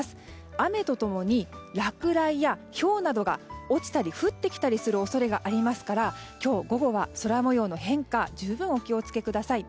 雨と共に落雷やひょうなどが落ちたり降ってきたりする恐れがありますから今日午後は空模様の変化十分お気をつけください。